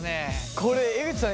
これ江口さん